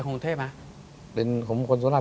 กรูแห่งคงเพชรมั้ย